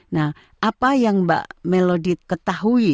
nah apa yang mbak melodit ketahui